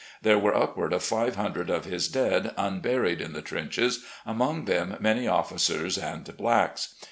There were upward of five hundred of his dead unburied in the trenches, among them many officers and blacks.